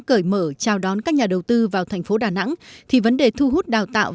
cởi mở chào đón các nhà đầu tư vào tp đà nẵng thì vấn đề thu hút đào tạo